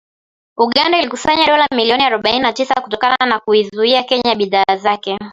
Uganda ilikusanya dola milioni arobaini na tisa kutokana na kuizuia Kenya bidhaa zake